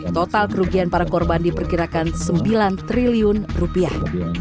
total kerugian para korban diperkirakan sembilan triliun rupiah